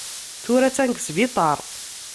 Tura attan deg sbiṭar.